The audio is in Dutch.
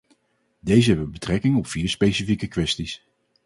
Deze hebben betrekking op vier specifieke kwesties.